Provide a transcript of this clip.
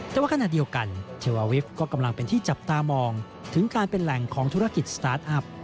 แต่ว่าขณะเดียวกันเทวาวิฟต์ก็กำลังเป็นที่จับตามองถึงการเป็นแหล่งของธุรกิจสตาร์ทอัพ